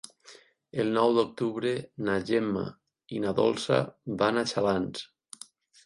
El nou d'octubre na Gemma i na Dolça van a Xalans.